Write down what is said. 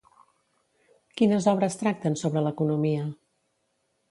Quines obres tracten sobre l'economia?